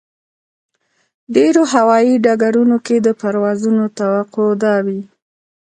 ډېرو هوایي ډګرونو کې د پروازونو توقع دا وي.